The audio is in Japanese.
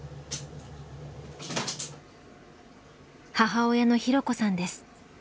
母親の弘子さんです。